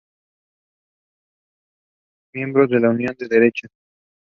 The album was recorded at Mt.